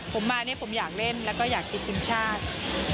ผมมาผมอยากเล่นแล้วก็อยากกินทีมชาติ